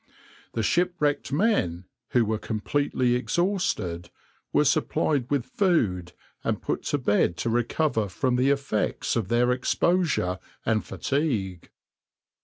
The shipwrecked men, who were completely exhausted, were supplied with food and put to bed to recover from the effects of their exposure and fatigue.